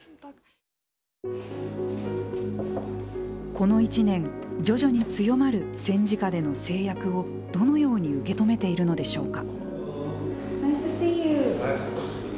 この１年徐々に強まる戦時下での制約をどのように受け止めているのでしょうか。